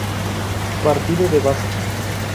Partido de Baza.